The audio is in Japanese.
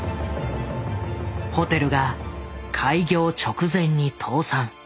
ホテルが開業直前に倒産。